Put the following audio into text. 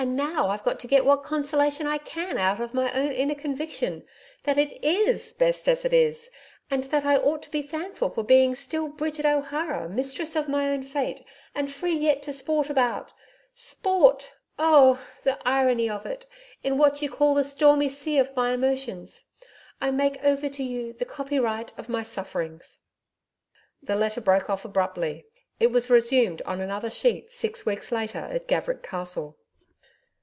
And now I've got to get what consolation I can out of my own inner conviction that it IS best as it is, and that I ought to be thankful for being still Bridget O'Hara, mistress of my own fate, and free yet to sport about sport! oh, the irony of it in what you call the stormy sea of my emotions. I make over to you the copyright of my sufferings.' The letter broke off abruptly. It was resumed on another sheet six weeks later at Gaverick Castle.